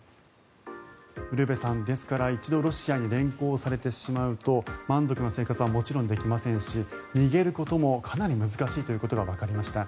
ウルヴェさん、ですから一度ロシアに連行されてしまうと満足な生活はもちろんできませんし逃げることもかなり難しいということがわかりました。